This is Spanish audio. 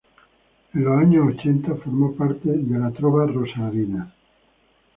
En los años ochenta formó parte de la Trova Rosarina.